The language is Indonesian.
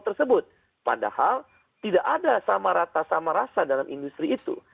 tersebut padahal tidak ada sama rata sama rasa dalam industri itu